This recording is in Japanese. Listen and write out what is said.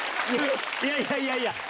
いやいやいやいや。